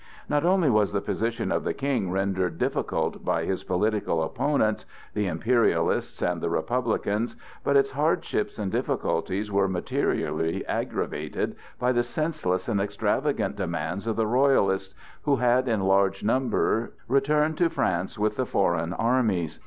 Not only was the position of the King rendered difficult by his political opponents, the Imperialists and the Republicans, but its hardships and difficulties were materially aggravated by the senseless and extravagant demands of the Royalists, who had in large number returned to France with the foreign armies.